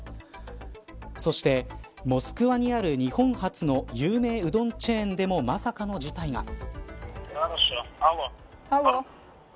そしてモスクワにある日本発の有名うどんチェーンでもまさかの事態が。